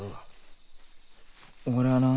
俺はなあ。